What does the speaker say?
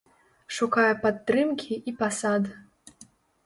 Шукае падтрымкі і пасад.